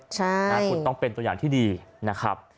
คุณต้องเป็นตัวอย่างที่ดีนะครับ